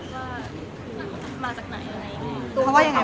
เขามาจากไหนไหนไง